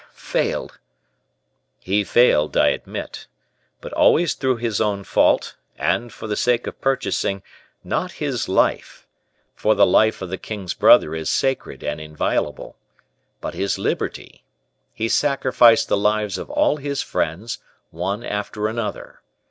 Failed!" "He failed, I admit; but always through his own fault; and, for the sake of purchasing not his life for the life of the king's brother is sacred and inviolable but his liberty, he sacrificed the lives of all his friends, one after another.